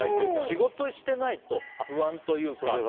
仕事してないと不安というか。